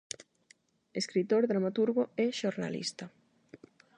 Escritor, dramaturgo e xornalista.